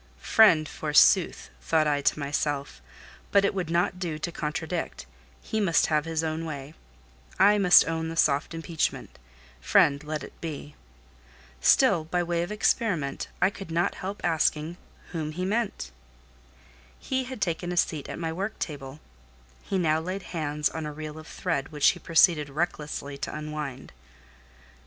"Friend, forsooth!" thought I to myself: but it would not do to contradict; he must have his own way; I must own the soft impeachment: friend let it be. Still, by way of experiment, I could not help asking whom he meant? He had taken a seat at my work table; he now laid hands on a reel of thread which he proceeded recklessly to unwind.